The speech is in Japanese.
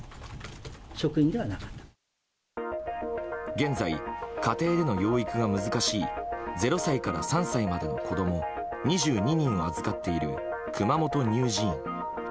現在、家庭での養育が難しい０歳から３歳までの子供２２人を預かっている熊本乳児院。